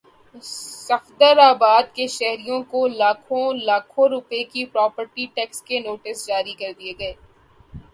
صفدرآباد کے شہریوں کو لاکھوں لاکھوں روپے کے پراپرٹی ٹیکس کے نوٹس جاری کردیئے گئے